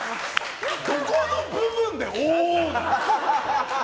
どこの部分で、おー！なの？